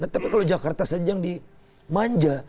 tapi kalau jakarta saja yang dimanja